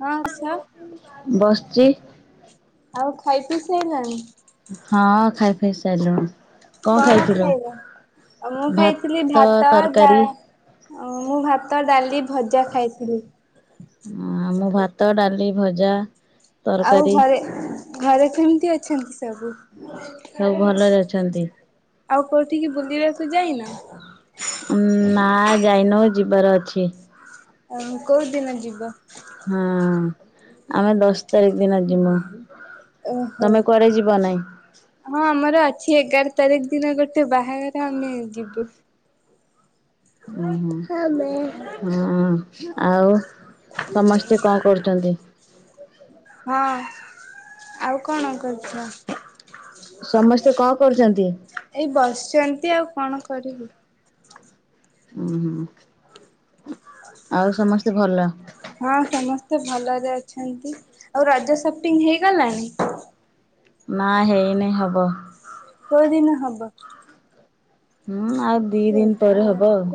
ହଁ ସ ବସଚି। ଆଉ ଖାଇ ପି ସେ ନାହିଁ। ପି ସାରିଲୁଣି। କଣ ଖାଇବା ଆଉ ମୁଁ ଖାଇଥିଲି ଭାତ ଦା ଓ ମୁଁ ଭାତ ଡାଲି ଭଜା ଖାଇଥିଲି। ଆ ମୋ ଭାତ ଭାତ ଡାଲି ଭଜା। ଆଉ ତରକାରୀ ଘରେ ଘରେ କେମିତି ଅଛନ୍ତି ସବୁ? ସବୁ ଭଲରେ ଅଛନ୍ତି? ଆଉ କୋଉଠିକି ବୁଲିବାସ ଯାଇନା। ନା ଯାଇନ ଯିବାର ଅଛି। ଆ କୋଉ ଦିନ ଯିବ। ହଁ ଆମେ ଦଶ ତାରିଖ ଦିନ ଯିବୁ। ଓହୋ ହଁ ଆମର ଅଛି ଏଗାର ତାରିଖ ଦିନ ଗୋଟେ ବାହାଘାରେ ଆମେ ଯିବୁ। ଉଁ ହୁଁ। ଆମେ ହଁ। ଆଉ ସମସ୍ତେ କଣ କରୁଛନ୍ତି। ହଁ ଆଉ କଣ କହି ଆ ସମସ୍ତେ କଣ କରୁଛନ୍ତି? ଏଇ ବସିଛନ୍ତି ଆଉ କଣ କରିବି। ହୁଁ ହୁଁ ଆଉ ସମସ୍ତେ ଭଲ। ହଁ ସମସ୍ତେ ଭଲରେ ଅଛନ୍ତି ଆଉ ରଜ ସପିଂ ହେଇଗଲାଣି। ନା ହେଇନି ହବ। କେଉଦିନ ହବ। ହୁଁ ଆଉ ଦି ଦିନ ପରେ ହବ ଆଉ।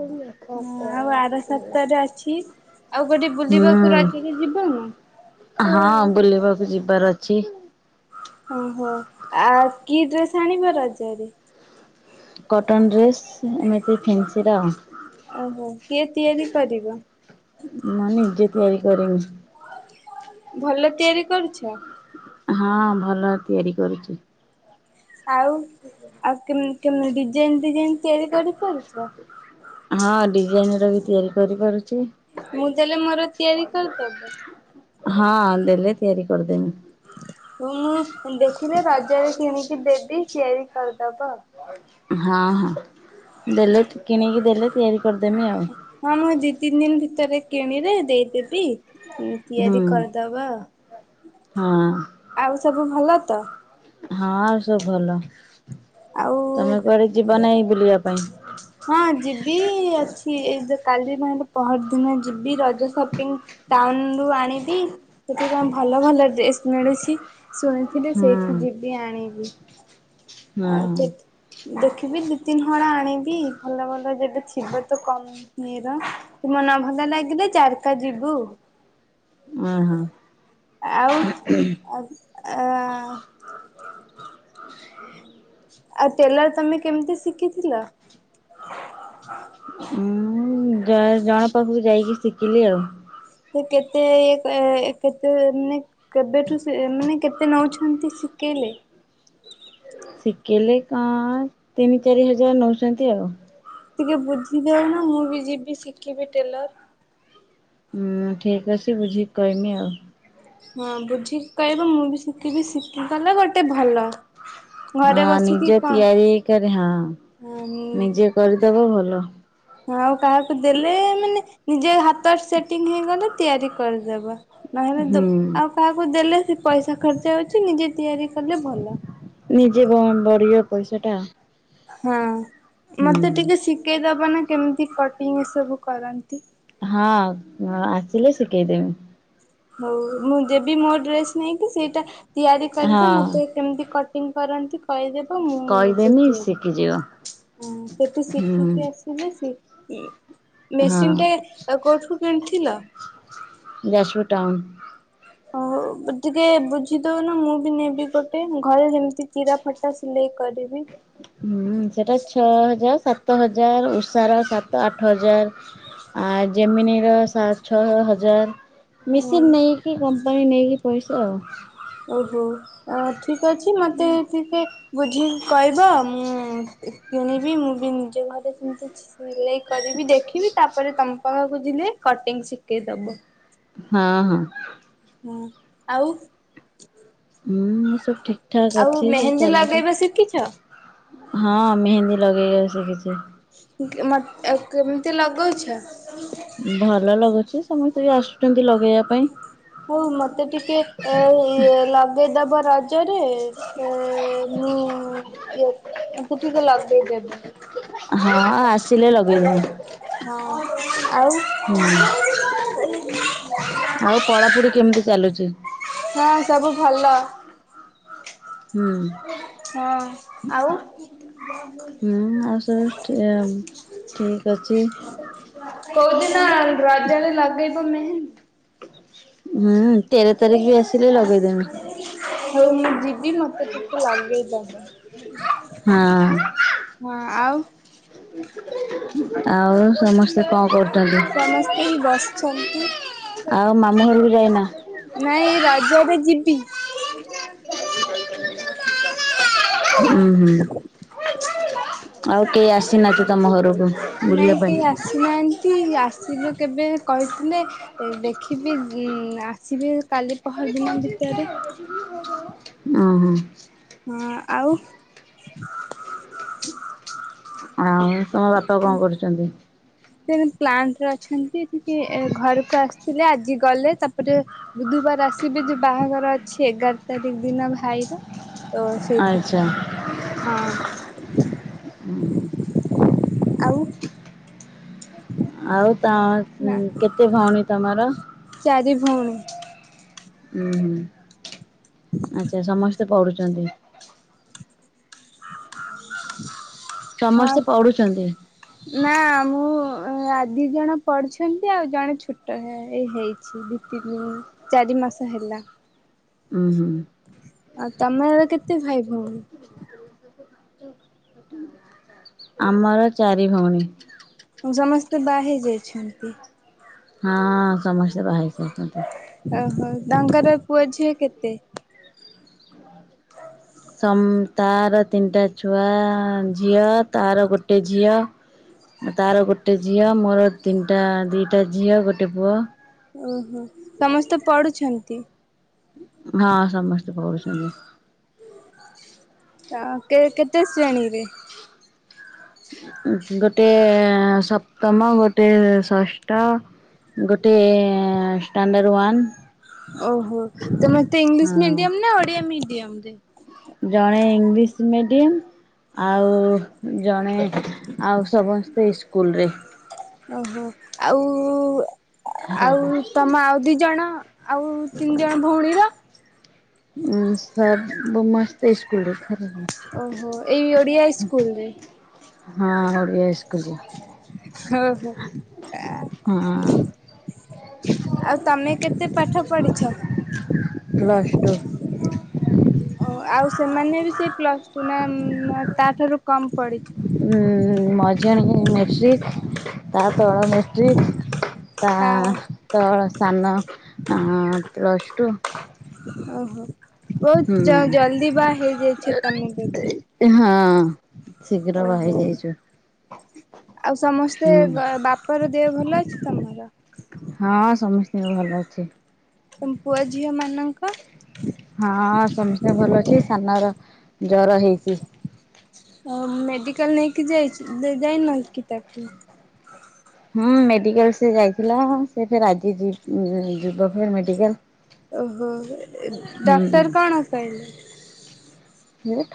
ହଁ ଆଉ ଆର ସତର ଅଛି। ଆଉ ଗୋଟେ ହୁଁ ବୁଲିବାକୁ ରଜରେ ଯିବନି? ହଁ ବୁଲିବାକୁ ଯିବି। ବର ଅଛି। ଓହୋ ଆ କି ଡ୍ରେସ ଆଣିବ ରଜରେ କଟନ ଡ୍ରେସ୍ ଏମିତି ଫେନ୍ସି ର ଓହୋ କିଏ ତିଆରି କରିବ ମୁଁ ନିଜେ ତିଆରି କରରିବି। ଭଲ ତିଆରି କରୁଛ ହଁ ଭଲ ତିଆରି କରୁଚି। ଆଉ ଆଉ କେମ୍ କେମିତି ଡିଜାଇନ୍ ଫିଜାଇନ୍? ତିଆରି କରି ପାରୁଚ? ହଁ ଡିଜାଇନ୍ ର ବି ତିଆରି କରିପାରୁ ମୁଁ ଦେଲେ ମୋର ତିଆରି କରିଦେବ? ହଁ ଦେଲେ ତିଆରି କରିଦେମି। ହଉ ମୁଁ ଦେଖିଲେ ରଜ ରେ କିଣିକି ଦେବି ତିଆରି କରିଦବ। ହଁ ହଁ ଦେଲେ କିଣିକି ଦେଲେ ତିଆରି କରିଦେମି ଆଉ ନଁ ମୁଁ ଏ ଦି ତିନି ଦିନ ଭିତରେ କିଣିରେ ଦେଇଦେବି। ହୁଁ ହୁଁ। ତିଆରି କରିଦବା। ହଁ। ଆଉ ସବୁ ଭଲ ତ? ହଁ ଆଉ ସବୁ ଭଲ। ଆଉ ତମେ କୁଆଡେ ଯିବ ନାଇଁ ବୁଲିବାକୁ। ପାଇଁ ହଁ ଯିବି ଅଛି ଏ କାଲି ମୁଁ ନହେଲେ ପହର ଦିନେ ଯିବି ରଜ ସପିଙ୍ଗ୍ ଟାଉନରୁ ଆଣିବି ସେଠି କଣ ଭଲ ଭଲ ଡ୍ରେସ ମିଳୁଚି। ଶୁଣିଥିଲି ହୁଁ ସେଇଠି ଯିବି ଆଣିବି। ଆଉ ହଁ ଦେ-ଦେଖିବି ଦିଇ ତିନି ହଳ୍। ଆଣିବି ଭଲ ଭଲ ଯଦି ଥିବ ତ କମ୍ ନୀର ତୁମ ନ ଭଲ ଲାଗିଲେ ଜାରକା ଯିବୁ। ଓ ହଁ। ଆଉ ଆ। ଆଉ ଟେଲର ତମେ କେମିତି ଶିଖିଥିଲ? ଉଁ ଜ ଜଣ ପାଖକୁ ଯାଇକି ଶିଖିଲି ଆଉ। ସେ କେତେ ଇଏ ଏ କେତେ ମାନେ କେବେଠୁ ଶିଖ ମାନେ କେତେ ନଉଛନ୍ତି ଶିଖେଇଲେ? ଶିଖେଇଲେ କଣ ତିନି ଚାରି ହଜାର ନେଉଛନ୍ତି ଆଉ। ଟିକେ ବୁଝିଦଉ ନ ମୁଁ ବି ଯିବି ଶିଖିବି ଟେଲର। ହୁଁ ଠିକ ଅଛି। ଟି ବୁଝି କହିମି ଆଉ। ହଁ ବୁଝିକି କହିବ ମୁଁ ବି ଶିକିବି ଶିକି ଗଲେ ଗୋଟେ ଭଲ। ଘରେ ହଁ ବସିକି ନିଜ କଣ ତିଆରିକରି ହଁ ନିଜେ କରିଦବ ଭ ଲ। ଆଉ କାହାକୁ ଦେଲେ ମାନେ ନିଜେ ହାତରେ ସେଟିଙ୍ଗ୍ ହେଇଗଲେ ତିଆରି କରିଦେବା। ନହେଲେ ଦୋ ହୁଁ ଆଉ କାହାକୁ ଦେଲେ ଯେ ପଇସା ଖର୍ଚ୍ଚ ହୋଉଚି ନିଜେ ତିଆରି କଲେ ଭଲ। ନିଜେ ବ ବଢ଼ିଅ ପଇସାଟା‌। ହୁଁ। ମତେ ଟିକେ ସିକେଇଦ ବନା କେମତି କଟିଂ ସବୁ କରନ୍ତି। ହଁ ଅ ଆସିଲେ ଶିକେଇଦେମି। ହଉ ମୁଁ ଯେବି ମୋ ଡ୍ରେସ ନେଇକି ସେଇଟା ତିଆରି କରିବେ ହଁ। ମୋତେ କେମତି କ ଟିଂ କରନ୍ତି କହିଦେବ ମୁଁ ନିଜେ କହିଦେମି ଶିଖିଯିବ ତିଆରି ଉଁ ସେଠୁ ହୁଁ ଶିକିକି ଆସିଲେ ସି ଉଁ ହଁ ମେସିନ୍ ଟେ ଅ କୋଉଠୁ କିଣି ଚ୍ ଥିଲ। ଯାଜପୁର ଟାଉନ୍। ହଉ ଦୁ ଟିକେ ବୁଝି ଦୋଉନ ମୁଁ ବି ନେବି ଗୋଟେ ଘରେ ଯେମତି ଚିରା ଫଟା ସିଲେଇ କରିବି। [inaudible] ହୁଁ ସେଟା ଛଅ ହଜାର ସା ତ ହଜାର ଉଷାର ସାତ ଆଠ ହଜାର ଆ ଜେମିନିର ସା ଛଅ ହଜାର। ହଉ। ମିସିନ୍ ନେଇକି କ ପାନୀ ନେଇକି ପଇସା ଆଉ। ଓହୋ ଆ ଠିକ ଅଛି ମତେ ଟିକେ ବୁଝିକି କହିବ ମୁଁ ଇ କିଣିବି ମୁଁ ବି ନିଜେ ଘରେ ପିନ୍ଦୁଚି। ଇଲେଇ କରିବି ଦେଖିବି ତାପରେ ତମ କଣ ବୁଝିଲି କଟିଂ ଶିକେଇଦବ। ହଁ। ହୁଁ ଆଉ ଉଁ ମୋ ସବୁ ଠି ଠାକ ଆଉ ଅଛି ସବୁ ମେହେନ୍ଦୀ ଚାଲୁଚି ଲଗେଇବା ଶିଖିଛ? ହଁ ମେହେନ୍ଦି ଲଗେଇବା ବି ଶିଖିଛି। [inaudible] କେମିତି ଲଗଉଛ। ଭଲ ଲାଗୁଛି ସମସ ତେ ଆସୁଛନ୍ତି। ଲଗେଇବା ପାଇଁ ହୋଉ ମତେ ଟିକେ ଏ ଏ ଲଗେଇଦବ। [inaudible] ହତରେ ସେ ମୁଁ [inaudible] ଟିକେ ଲଗେଇଦବ। ହଁ [inaudible] ହଁ ହୁଁ ଆଉ। [unintelligible] ଆଉ ପଢାପୁଢ଼ି କେମିତି ଚାଲୁଛି। ହଁ ସବୁ ଭଲ। ହୁଁ ହଁ ଆଉ ହୁଁ ଆଉ ସବୁ ଠିକ ଅଛି କୋଉଦିନ ରଜରେ ଲଗେଇ ମୋ ମେହେ ହୁଁ ତେର ତାରିଖ ବି ଆସିଲେ ହଉ ମୁଁ ଯିବି ମତେ ଟିକେ ଲଗେଇଦବ। ଲଗେଇଦମି ହଁ। ହଁ ଆଉ ଆଉ ସମସ୍ତେ କଣ କରୁ ସମସ୍ତେ ହିଁ ବସିଛନ୍ତି। ଆଉ ମାମୁଁ ଘର କୁ ଯାଇନା। ନାଇ ଏଇ ରଜ ରେ ଯିବି। [unintelligible] ହୁଁ ହୁଁ ଆଉ କେହି ଆସିନାନ୍ତି ତମ ଘରକୁ। ନାଇଁ ବୁଲିବା ପାଇଁ? କେହି ଆସିନାହାନ୍ତି ଆସିବେ କେବେ କହିଥିଲେ ଦେଖିବି ଆସିବି କାଲି ପହରଦିନ ଭିତରେ। ଓ ହୋ। [inaudible] ହ ଆଉ। ଆଉ। ତମ ବାପା କଣ କରୁଛନ୍ତି। ସେ ପ୍ଲାଣ୍ଟରେ ଅଛନ୍ତି ଏଠିକି ଘରକୁ ଆସିଥିଲେ ଆଜି ଗଲେ ତାପରେ ବୁଧବାର ଆସିବେ ଯେ ବାହାଘର ଅଛି ଏଗାର ତାରିଖ ଦିନ ଭାଇର। ତ ସେଇଥି କି ଆଚ୍ଛା ହଁ। ଆଉ। ଆଉ ତମ ନା କେତେ ଭଉଣୀ ତମର। ଚାରି ଭଉଣୀ। ଉଁ ହୁଁ। ଆଚ୍ଛା ସମସ୍ତେ ପଢୁ ଚାନ୍ତି। [unintelligible] ହଁ ସମସ୍ତେ ଆଜ୍ଞା ପଢୁଛନ୍ତି? ନା ମୁଁ। ଅ ଆ ଦି ଜଣ ପଢୁଛନ୍ତି ଆଉ ଜଣେ ଛୋଟ ହେଇଛି ଦି ତିନି ଦିନ ଚାରି ମାସ ହେଲା। ଉଁ ହୁଁ। ଆଉ ତମେ ଏବେ କେତେ ଭାଇ ଭ ହଁ। ଆମର ଚାରି ଭଉଣୀ। ସମସ୍ତେ ବାହେଇ ଯାଇଛନ୍ତି। ହଁ ସମସ୍ତେ ବାହା ହେ ଇ ଛନ୍ତି। ଓହୋ ତାଙ୍କର ପୁଅ ଝିଅ କେତେ। ସମ ତାର ତିନିଟା ଛୁଆ ଝିଅ ତାର ଗୋଟେ ଝିଅ ତାର ଗୋଟେ ଝିଅ ମୋର ତିନିଟା ଦୁଇଟା ଝିଅ ଗୋଟେ ପୁଅ। ଓହୋ ସମସ୍ତେ ପଢୁଛନ୍ତି। ହଁ ସମସ୍ତେ ପଢୁଛନ୍ତି। ଆ କେ କେତେ ଶ୍ରେଣୀରେ। ଗୋଟେ ସପ୍ତମ ଗୋଟେ ଷଷ୍ଠ ଗୋଟେ ଷ୍ଟାଣ୍ଡାର୍ଡ ୱନ୍। ଓହୋ ତ ମତେ ଇଂଲିଶ ହଁ ମିଡିୟମ ନା ଓଡିଆ ମିଡି ମିଡିଅମରେ। ଜଣେ ଇଂଲିଶ ମିଡିୟମ ଆଉ। ଜଣେ। ଆଉ ସମସ୍ତେ ଇସ୍କୁଲ ରେ। ଓହୋ ଆଉ। ଆଉ ତମ ଆଉ ଦି ଜଣ ଆଉ ତିନି ଜଣ ଭଉଣୀର। ହୁଁ ସବୁ ମାସ ଓହୋ ଏଇ ଓଡିଆ ଇସ୍କୁଲ୍ ରେ। ହଁ ଓଡ଼ିଆ ଇସ୍କୁଲ ରେ। ଓ ହୋ। ହଁ ଆଉ ତମେ କେତେ ପାଠ ପଢିଛ। ପ୍ଲସ୍ ଟୁ ଆଉ ସେମାନେ ବି ସେଇ ପ୍ଲସ୍ ଟୁ ନା ତାଠାରୁ। କମ ପଢିଛନ୍ତି ହୁଁ ମଝ୍ ଆଣି ମାଷ୍ଟ୍ରିକ୍ ତା ତଳ ମାଟ୍ରିକ୍। ତା ତଳ ସାନ। Plus two. ଓ ହୋ। ହୁଁ ବହୁତ ଜଲଦି ବା ହେଇଯାଇଛ ତମେ ବଧେ ହଁ ଶୀଘ୍ର ବହା ହେଇଯାଇଛୁ ଆଉ ସମସ୍ତେ ହୁଁ ବାପ ଘର ଦେହ ଭଲ ଅଛି ତମର? ହଁ ସମସ୍ତଙ୍କ ଭଲ ଅଛି। ତମ ପୁଅ ଝିଅ ମାନଙ୍କ? ହଁ ସମସ୍ତେ ଭଲ ଅଛି ସାନର ଜରା ହେଇଚି ମେଡିକାଲ ନେଇକି ଯାଇଛି ଯାଇନା କି ତାକୁ ହୁଁ ମେଡିକାଲ ସେ ଯାଇଥିଲା ସେ ଫ ଆଜି ଯିବ ଫ ମେଡିକାଲ ଓହୋ ହୁଁ ଡାକ୍ଟର କଣ କହିଲେ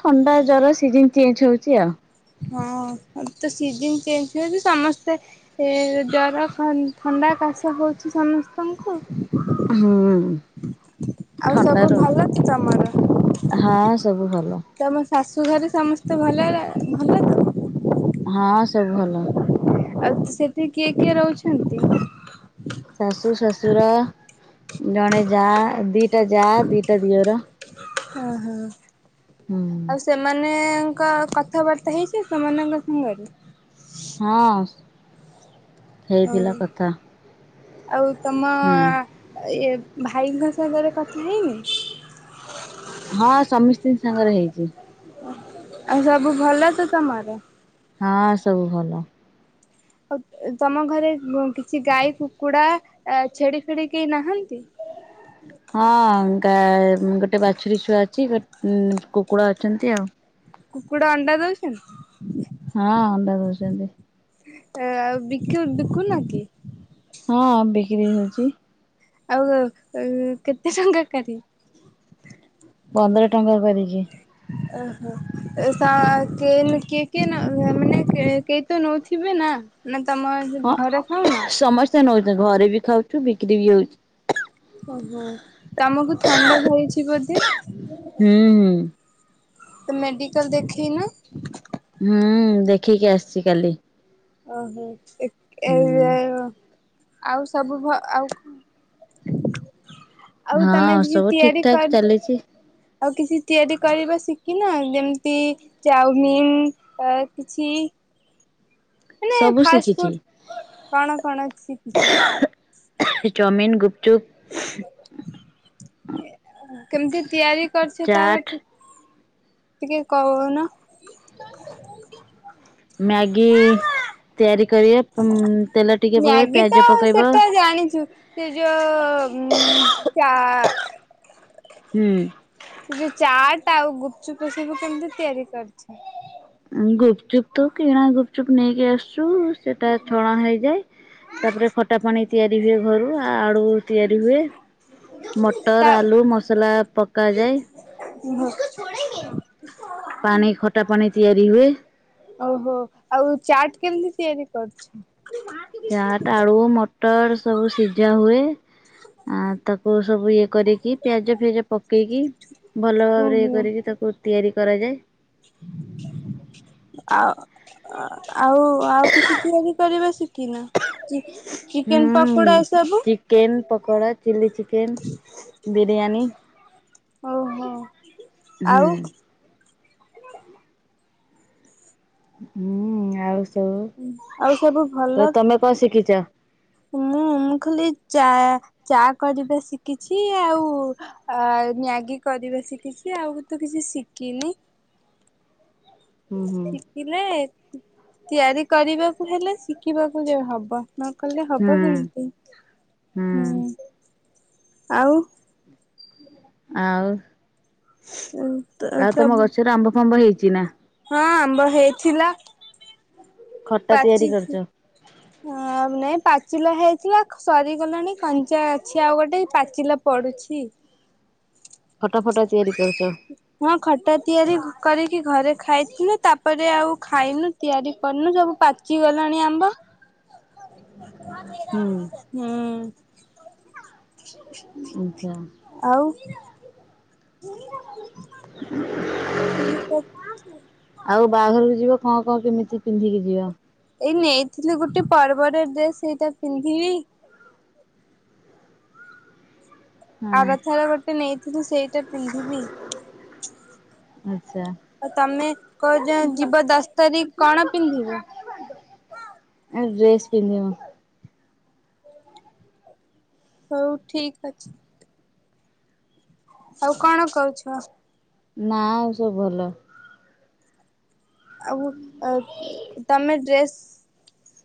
ଥଣ୍ଡା ଜର ସିଜନ ଚେଞ୍ଜ ହଉଛି ଆଉ ହଁ ତ ସିଜନ ଚେଞ୍ଜ ହଉଛି ସମସ୍ତେ ଏ ଜର ଥଣ୍ଡା କାଶ ହଉଛି ସମସ୍ତଙ୍କୁ ହୁଁ। ଆଉ ସବୁ ଥଣ୍ଡାରୁ ଭଲଛି ତମର ହଁ ସବୁ ଭଲ ତମ ଶାଶୁଘରେ ସମସ୍ତେ ଭଲରେ ଭଲ ତ? ହଁ ସବୁ ଭଲ ଆଉ ସେଠି କିଏ କିଏ ରହୁଛନ୍ତି? ସୁର ଜଣେ ଯା ଦିଟା ଯା ଦିଟା ଦିଅର ହଁ ହୋ ହୁଁ ଆଉ ସେମାନେ କଥାବାର୍ତ୍ତା ହେଇଛ ସେମାନଙ୍କ ସାଙ୍ଗରେ ହଁ। ହେଇ ପିଲା ଓ କଥା ଆଉ ତମ ହୁଁ। ଇଏ ଭାଇଙ୍କ ସାଙ୍ଗରେ କଥା ହେଇନି ହଁ ସମିଷ୍ଟିଙ୍କ ସାଙ୍ଗରେ ହେଇଛି। ଆଉ ସବୁ ଭଲ ତ ତମର? ହଁ ସବୁ ଭଲ ଆଉ ତମ ଘରେ କିଛି ଗାଈ କୁକୁଡା ଛେଡି ଫେଡି କେହି ନାହାନ୍ତି? ହଁ। ଟା ଗୋଟେ ବାଛୁରୀ ଛୁଆ ଅଛି ଗଟେ କୁକୁଡ଼ା ଅଛନ୍ତି ଆଉ କୁକୁଡ଼ା ଅଣ୍ଡା ଦଉଛନ୍ତି? ହଁ ଅଣ୍ଡା ଦେଉଛନ୍ତି। ଆ ବିକୁ ବିକୁନ କି ହଁ ବିକ୍ରି ହଉଛି ଆଉ କେତେ ଟଙ୍କା କରି ପନ୍ଦର ଟଙ୍କା କରିକି କିଏ କି କିଏ କିଏ ମାନେ କେହି ତ ନଉଥିବେ ନା ନା ତମ ଘରେ ଖାଉ ନା? ନଉ ଘରେ ବି ଖାଉଛୁ ବିକ୍ରି ବି ହଉଛି, ଓହୋ ତମକୁ ଥଣ୍ଡା ଧଇଛି ବୋଧେ ହୁଁ ହୁଁ। ତ ମେଡିକାଲ ଦେଖେଇ ନା ହୁଁ ଦେଖିକି ଆସିଛି କାଲି ଓହୋ ହୁଁ। ଏଇ [inaudible] ଆଉ ସବୁ ଭ ଆଉ ଆଉ ତମେ ହଁ କିଛି ସବୁ ଠିକ ତିଆରି ଠାକ କରି ଚାଲିଛି ଆଉ କିଛି ତିଆରି କର ଶ କି ନା ଯେମିତି ଚାଉମିିନ କିଛି ମାନେ ସବୁ ଫାଷ୍ଟ ଶିଖିଛି। ଫୁଡ କଣ କଣ ଶିଖିଛ। ଚୁପ କେମିତି ତିଆରି କରୁଛ ତାରା ଚାଟ୍ କି ଟିକେ କହୁନ। ମ୍ୟାଗ ତେଲ ଟିକେ ପକେଇ ମ୍ୟାଗି ପିଆଜ ତ ପକେଇବ। ସେଟା ଜାଣିଛୁ ସେ ଯୋଉ ଚା ହୁଁ। ସେ ଯୋଉ ଚାଟ ଆଉ ଗୁପଚୁପ ସାବୁ କେମିତି ତିଆରି କରିଛ। ଗୁପଚୁପ ତ କେଣ ଗୁପଚୁପ ନେଇ କି ଆସୁ ସେଟା ଛଣା ହେଇଯାଏ। ତାପରେ ଖଟା ପାଣି ତିଆରି ହୁଏ। ଘରୁ ଆ ଆ ଆ ତିଆରି ହୁଏ। ତା ମଟର ଆଳୁ ମସଲା ପକାଯାଏ। ପାଣି ଖଟା ପାଣି ତିଆରି ହୁଏ। ଓହୋ ଆଉ ଚାଟ କେମିତି ତିଆରି କରୁଛୁ। ଚାଟ ଆଳୁ ମଟର ସବୁ ସିଝା ହୁଏ। ଆ ତ ସବୁ ଇଏ କରିକି ପିଆଜ ଫିଆଜ ପକେଇକି ଭଲ ଉଁ ଭାବରେ ଇଏ କରିକି ତାକୁ ତିଆରି କରାଜାଏ। ଆ ଆଉ ଆଉ କିଛି ତିଆରି କରିବେ ଶ କି ନା। ହୁଁ chicken pakora chilli chicken biryani. ଓହୋ ଆଉ ହୁଁ ଆଉ ତ ଆଉ ସବୁ ଭଲ? ତ ତମେ କଣ ଶିଖି ଚ ମୁଁ ମୁଁ ଖାଲି ଚା ଚା କରିବା ଶିଖିଛି ଆଉ ଆ ମ୍ୟାଗି କରିବା ଶିଖିଛି ଆଉ ତ କିଛି ଶିଖିନି। ହୁଁ ହୁଁ ଶିଖିଲେ ତିଆରି କରିବାକୁ ହେଲେ ଶିଖିବାକୁ ହବ। ନ କଲେ ହବ ହୁଁ କେମିତି ହୁଁ। ଆଉ ଆଉ ଆ ତମ ସବୁ ଗଛରେ ଆମ୍ବ ଫାମ୍ବ ହେଇଛି। ଚିନା ହଁ ଆମ୍ବ ହେଇଥିଲା। ଖଟା ତିଆରି କରୁଛ? ହ ନାଇଁ ପାଚିଲା ହେଇଥିଲା ସରିଗଲାଣି କଞ୍ଚା ଅଛି ଆଉ ଗୋଟେ ପାଚିଲା ପଡୁଛି। ଖଟା ଫଟା ତିଆରି କରିଛ ହଁ ଖଟା ତିଆରି କରିକି ଘରେ ଖାଇଥିନୁ ତାପରେ ଆଉ ଖାଇନୁ ତିଆରି କରିନୁ ସବୁ ପାଚିଗଲାଣି ଆମ୍ବ ହୁଁ। ଆଛା। ଆଉ ହ [inaudible] ଅଛି ଆଉ ବାହାଘରକୁ ଯିବ? ହଁ କଣ କେମିତି ପିନ୍ଧିକି ଯିବ? ଏଇ ନେଇଥିଲୁ ଗୋଟେ ପରବ ରେ ଡ୍ରେସ ସେଇଟା ପିନ୍ଧିବି ହଁ ଆରଥର ଗୋଟେ ନେଇଥିଲୁ ସେଇଟା ପିନ୍ଧିବି ଆଚ୍ଛା ଆଉ ତମେ? କହୁଛ ଯିବ ଦଶ ତାରିଖ କଣ ପିନ୍ଧିବ? ଡ୍ରେସ ପିନ୍ଧିବି। ହଉ ଠିକ ଅଛି। ଆଉ କଣ କରୁଛ? ନା ଆଉ ସବୁ ଭଲ। ଆଉ ଉ ତମେ ଡ୍ରେସ୍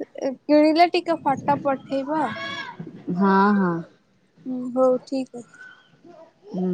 କି କିଣିଲେ? ଟିକେ ଫଟୋ ପଠେଇବ। ହଁ ହଁ ହୁଁ ହଉ ଠିକ ଅଛି। ହୁଁ।